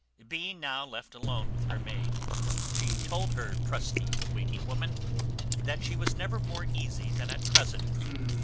Being now left alone with her maid, she told her trusty waiting woman, "That she never was more easy than at present.